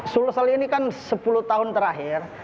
sulsel ini kan sepuluh tahun terakhir